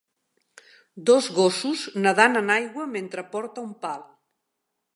Dos gossos nedant en aigua mentre porta un pal